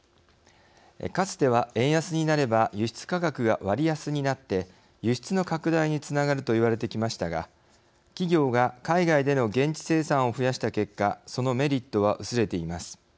かつては、円安になれば輸出価格が割安になって輸出の拡大につながると言われてきましたが企業が海外での現地生産を増やした結果そのメリットは、薄れています。